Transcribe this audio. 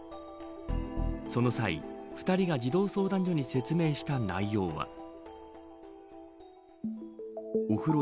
その際、２人が児童相談所に説明した内容は。